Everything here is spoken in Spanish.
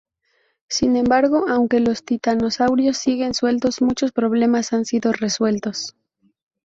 Sin embargo, aunque los titanosaurios siguen sueltos, muchos problemas han sido resueltos.